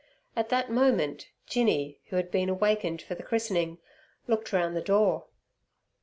At that moment Jinny, who had been awakened for the christening, looked round the door.